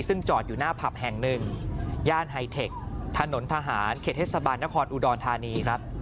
ซึ่งจอดอยู่หน้าผับแห่งหนึ่งย่านไฮเทคถนนทหารเขตเทศบาลนครอุดรธานีครับ